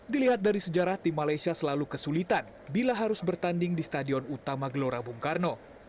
dilihat dari sejarah tim malaysia selalu kesulitan bila harus bertanding di stadion utama gelora bung karno